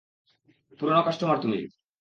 পুরোনো কাস্টমার তুমি।